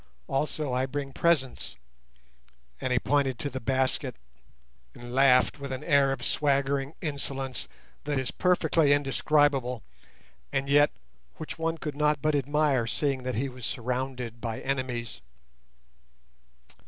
Also I bring presents;" and he pointed to the basket and laughed with an air of swaggering insolence that is perfectly indescribable, and yet which one could not but admire, seeing that he was surrounded by enemies.